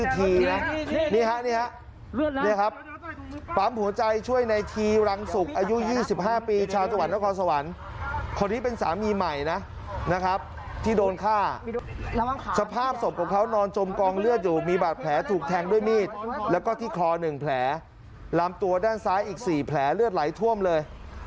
ทะวันคนนี้เป็นสามีใหม่นะครับที่โดนฆ่าสภาพศพกับเขานอนจมกองเลือดอยู่มีบาดแผลถูกแทงด้วยมีดแล้วก็ที่คลอหนึ่งแผลล้ำตัวด้านซ้ายอีกสี่แผลเลือดไหลท่วมเลย